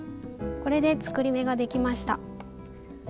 これで作り目ができました。